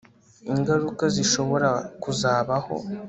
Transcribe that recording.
ingaruka zishobora kuzabaho